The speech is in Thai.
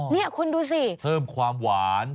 นี่คุณดูสิเพิ่มความหวาน